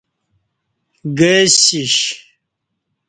گئے سیش